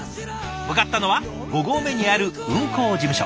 向かったのは５合目にある運行事務所。